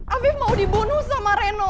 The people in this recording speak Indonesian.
afif mau dibunuh sama reno ayo ma